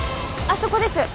あそこです！